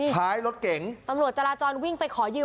ท้ายรถเก๋งตำรวจจราจรวิ่งไปขอยืม